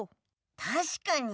たしかに。